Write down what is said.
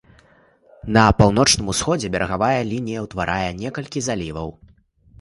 На паўночным усходзе берагавая лінія ўтварае некалькі заліваў.